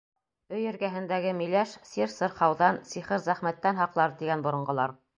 Өй эргәһендәге миләш сир-сырхауҙан, сихыр-зәхмәттән һаҡлар, тигән боронғолар.